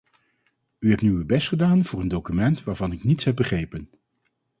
U hebt nu uw best gedaan voor een document waarvan ik niets heb begrepen.